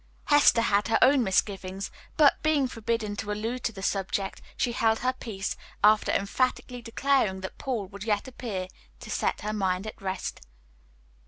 Hester had her own misgivings, but, being forbidden to allude to the subject, she held her peace, after emphatically declaring that Paul would yet appear to set her mind at rest.